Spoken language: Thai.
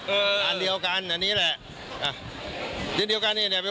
เอออันเดียวกันอันนี้แหละอ่ะอันเดียวกันเนี้ยเนี้ยเป็น